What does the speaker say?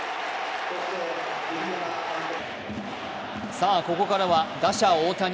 さぁ、ここからは打者・大谷。